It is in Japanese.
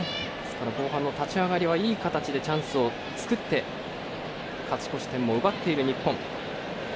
後半の立ち上がりはいい形でチャンスを作って勝ち越し点も奪っている日本。